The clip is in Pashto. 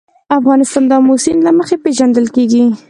افغانستان د آمو سیند له مخې پېژندل کېږي.